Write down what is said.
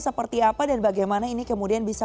seperti apa dan bagaimana ini kemudian bisa